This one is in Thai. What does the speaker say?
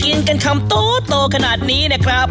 หุยกินได้กันชอบโตขนาดนี้นะครับ